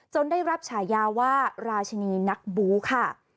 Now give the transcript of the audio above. ได้รับฉายาว่าราชินีนักบูค่ะ